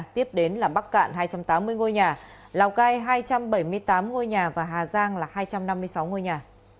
tiếp đến là bắc cạn hai trăm tám mươi ngôi nhà lào cai hai trăm bảy mươi tám ngôi nhà và hà giang là hai trăm năm mươi sáu ngôi nhà